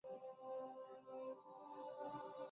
出身于香川县。